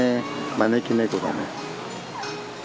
招き猫だね。